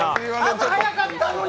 朝早かったのに！